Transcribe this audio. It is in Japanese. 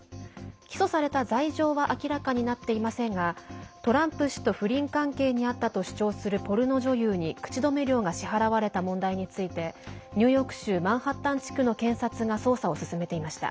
起訴された罪状は明らかになっていませんがトランプ氏と不倫関係にあったと主張するポルノ女優に口止め料が支払われた問題についてニューヨーク州マンハッタン地区の検察が捜査を進めていました。